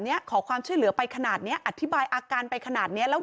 เนี้ยขอความช่วยเหลือไปขนาดเนี้ยอธิบายอาการไปขนาดเนี้ยแล้ว